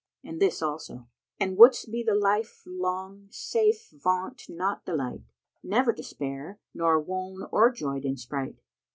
And this also, "An wouldst be life, long safe, vaunt not delight; * Never despair, nor wone o'erjoyed in sprite!